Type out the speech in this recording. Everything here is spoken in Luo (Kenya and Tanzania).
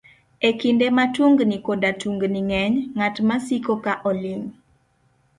E kinde ma tungni koda tungni ng'eny, ng'at masiko ka oling'